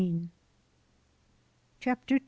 CHAPTER II.